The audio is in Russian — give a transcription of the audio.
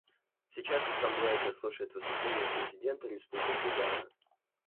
Сейчас Ассамблея заслушает выступление президента Республики Гана.